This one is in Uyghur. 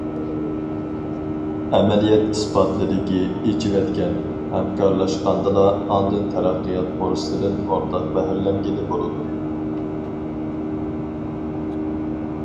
ئەمەلىيەت ئىسپاتلىدىكى، ئېچىۋەتكەن، ھەمكارلاشقاندىلا، ئاندىن تەرەققىيات پۇرسىتىدىن ئورتاق بەھرىلەنگىلى بولىدۇ.